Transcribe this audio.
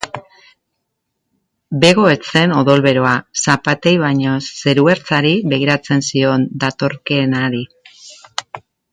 Bego ez zen odolberoa, zapatei baino zeruertzari begiratzen zion, datorkeenari.